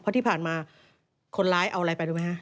เพราะที่ผ่านมาคนร้ายเอาอะไรไปรู้ไหมฮะ